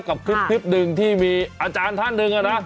กับคลิปหนึ่งที่มีอาจารย์ท่านหนึ่งนะ